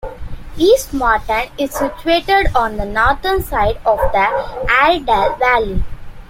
East Morton is situated on the northern side of the Airedale valley.